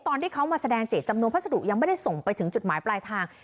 ตอนที่เขามาแสดงเจตจำนวนพัสดุยังไม่ได้ส่งไปถึงจุดหมายปลายทาง